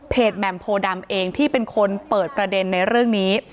แหม่มโพดำเองที่เป็นคนเปิดประเด็นในเรื่องนี้